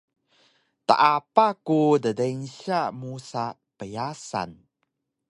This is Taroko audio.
teapa ku ddeynsya musa pyasan